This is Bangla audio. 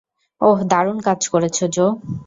ওহ, দারুণ কাজ করেছো, জো।